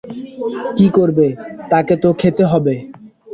কী করবে, তাকে তো খেতে হবে।